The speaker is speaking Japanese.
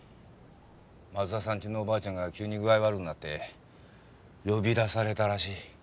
松田さんちのおばあちゃんが急に具合悪くなって呼び出されたらしい。